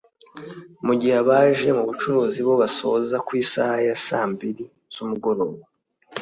mu gihe abaje mu bucuruzi bo basoza ku isaha ya saa mbiri z’umugoroba